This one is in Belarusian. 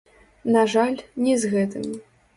На жаль, не з гэтым.